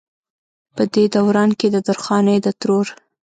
پۀ دې دوران کښې د درخانۍ د ترور